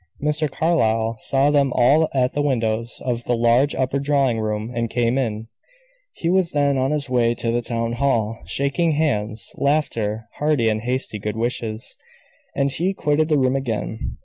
Mr. Carlyle saw them all at the windows of the large upper drawing room, and came in; he was then on his way to the town hall. Shaking hands, laughter, hearty and hasty good wishes; and he quitted the room again.